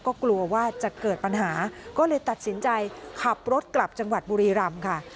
ก็กลัวว่าจะเกิดปัญหาก็เลยตัดสินใจขับรถกลับจังหวัดบุรีรำค่ะ